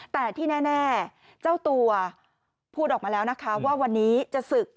แต่ที่แน่เจ้าตัวพูดออกมาแล้วนะคะว่าวันนี้จะศึก